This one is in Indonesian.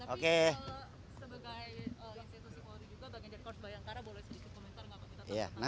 oke tapi sebagai institusi polri juga bang ejen paul bayangkara boleh sedikit komentar